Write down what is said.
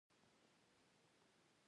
ماسیر دې نتیجې ته ورسېد.